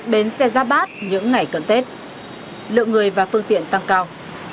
bến xe ra bát những ngày cận thết lượng người và phương tiện tăng cao